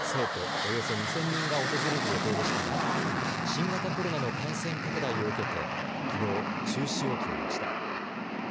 およそ２０００人が訪れる予定でしたが新型コロナの感染拡大を受けてきのう、中止を決めました。